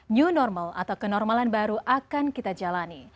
new normal atau kenormalan baru akan kita jalani